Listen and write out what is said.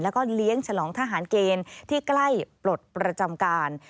แล้วก็เลี้ยงฉลองทหารเกณฑ์ที่ใกล้ปลดประจำการ